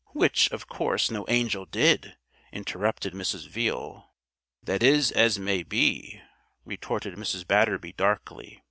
"Which, of course, no angel did," interrupted Mrs. Veale. "That is as may be," retorted Mrs. Batterby darkly.